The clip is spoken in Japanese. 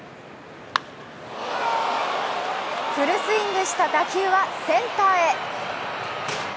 フルスイングした打球はセンターへ。